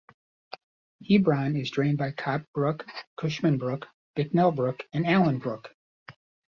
Hebron is drained by Cobb Brook, Cushman Brook, Bicknell Brook and Allen Brook.